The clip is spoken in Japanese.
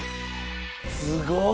すご！